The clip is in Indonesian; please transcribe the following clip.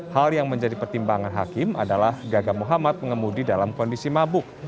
hal yang menjadi pertimbangan hakim adalah gaga muhammad pengemudi dalam kondisi mabuk